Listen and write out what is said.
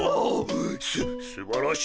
すすばらしい！